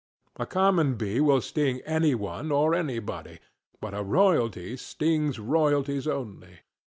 A common bee will sting any one or anybody, but a royalty stings royalties only.